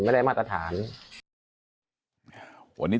ทำให้สัมภาษณ์อะไรต่างนานไปออกรายการเยอะแยะไปหมด